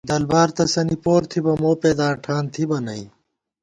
دلبار تسَنی پور تھِبہ، موپېداں ٹھان تھِبہ نئ